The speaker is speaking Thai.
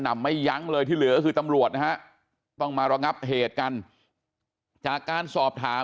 นำไม่ยั้งเลยที่เหลือก็คือตำรวจนะฮะต้องมาระงับเหตุกันจากการสอบถาม